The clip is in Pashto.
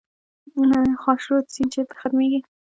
خاشرود سیند چیرته ختمیږي؟